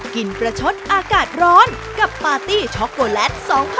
ประชดอากาศร้อนกับปาร์ตี้ช็อกโกแลต๒๐๑๖